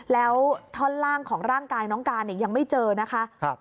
แล้วท่อนล่างของร่างกายน้องการเนี่ยยังไม่เจอนะคะ